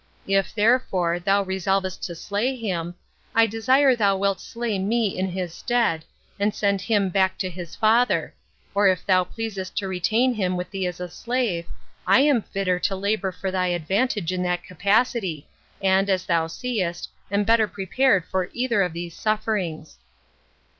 If, therefore, thou resolvest to slay him, I desire thou wilt slay me in his stead, and send him back to his father; or if thou pleasest to retain him with thee as a slave, I am fitter to labor for thy advantage in that capacity, and, as thou seest, am better prepared for either of those sufferings."